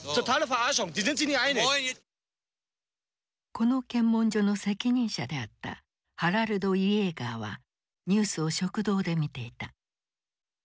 この検問所の責任者であったハラルド・イエーガーはニュースを食堂で見ていた。